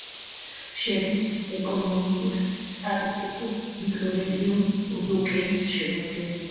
შედის ეკონომიკურ-სტატისტიკურ მიკრორეგიონ ბოდოკენის შემადგენლობაში.